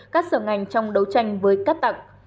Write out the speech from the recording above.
các sở ngành trong đấu tranh với cát tặng